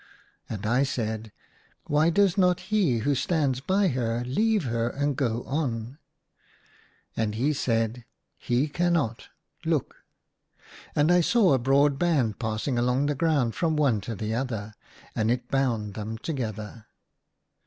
And I said, " Why does not he who stands by her leave her and go on ?" And he said, " He cannot. Look " And I saw a broad band passing along the ground from one to the other, and it bound them together.